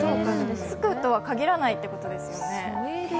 つくとは限らないということですね。